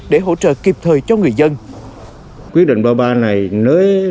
để hỗ trợ kịp thời cho người dân